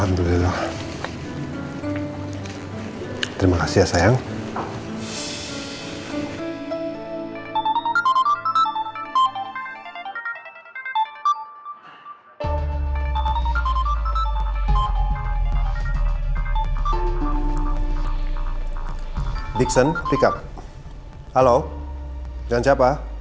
halo jangan siapa